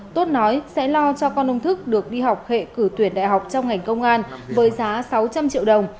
tốt nói sẽ lo cho con ông thức được đi học hệ cử tuyển đại học trong ngành công an với giá sáu trăm linh triệu đồng